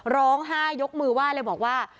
ร้องห้ายยกมือว่าเลยบอกว่า